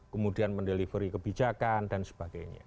kemudian mendelivery kebijakan dan sebagainya